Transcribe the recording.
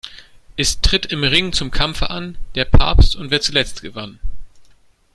Es tritt im Ring zum Kampfe an: Der Papst und wer zuletzt gewann.